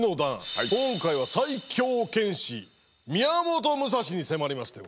今回は最強剣士宮本武蔵に迫りますと。